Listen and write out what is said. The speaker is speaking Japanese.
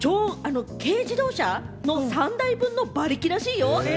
軽自動車の３台分の馬力らしいよ。